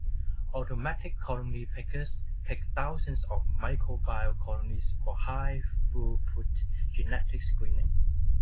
Automatic colony pickers pick thousands of microbial colonies for high throughput genetic screening.